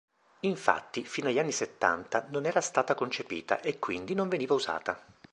Infatti, fino agli anni settanta, non era stata concepita e quindi non veniva usata.